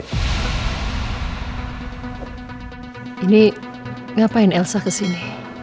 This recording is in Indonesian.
ini ngapain elsa kesini